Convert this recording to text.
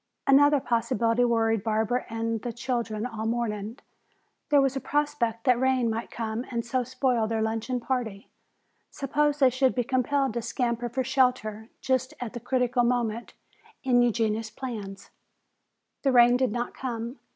Another possibility worried Barbara and the children all morning. There was a prospect that rain might come and so spoil their luncheon party. Suppose they should be compelled to scamper for shelter just at the critical moment in Eugenia's plans? The rain did not come.